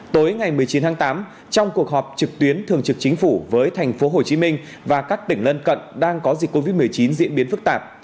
tối ngày một mươi chín tháng tám trong cuộc họp trực tuyến thường trực chính phủ với thành phố hồ chí minh và các tỉnh lân cận đang có dịch covid một mươi chín diễn biến phức tạp